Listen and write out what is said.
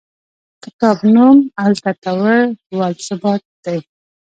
کتاب نوم التطور و الثبات دی.